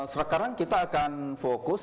sekarang kita akan fokus